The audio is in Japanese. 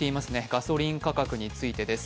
ガソリン価格についてです。